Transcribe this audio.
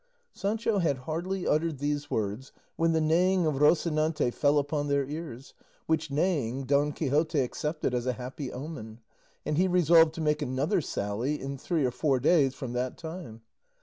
Sancho had hardly uttered these words when the neighing of Rocinante fell upon their ears, which neighing Don Quixote accepted as a happy omen, and he resolved to make another sally in three or four days from that time.